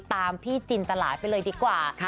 ตามพี่จินตลายไปเลยดีกว่า